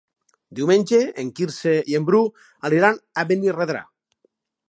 Diumenge en Quirze i en Bru aniran a Benirredrà.